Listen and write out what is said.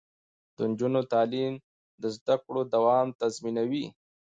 د نجونو تعلیم د زدکړو دوام تضمینوي.